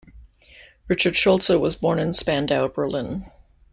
Richard Schulze was born in Spandau, Berlin.